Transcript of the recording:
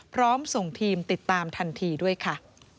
พร้อมส่งทีมติดตามทันทีด้วยค่ะ